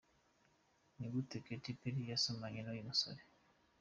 Ni gute Katy Perry yasomanye n’uyu musore?.